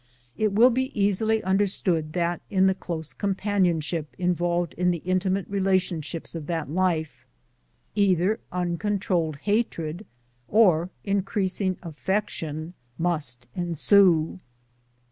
It will be easily understood that in the close companionship involved in the intimate relationships of that life, either uncon trollable hatred or increasing affection must ensue.